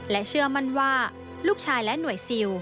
และเชื่อมันว่าลูกเช้าและหน่วยซิล